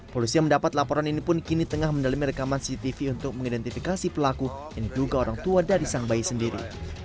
polisi yang mendapat laporan ini pun kini tengah mendalami rekaman cctv untuk mengidentifikasi pelaku yang diduga orang tua dari sang bayi sendiri